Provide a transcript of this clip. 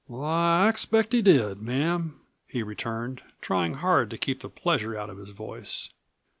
"Why, I expect he did, ma'am!" he returned, trying hard to keep the pleasure out of his voice.